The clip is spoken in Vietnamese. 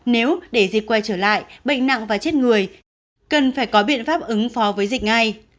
nếu để dịch quay trở lại bệnh nặng và chết người cần phải có biện pháp ứng phó với dịch ngay